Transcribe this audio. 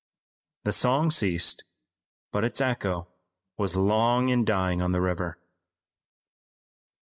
The song ceased, but its echo was long in dying on the river.